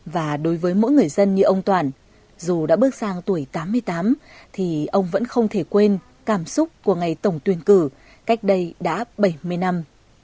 và đối với mỗi người dân như ông toàn dù đã bước sang tuổi tám mươi tám thì ông vẫn không thể quên cảm xúc của ngày tổng tuyển cử cách đây đã bảy mươi năm